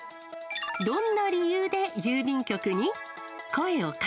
どんな理由で郵便局に？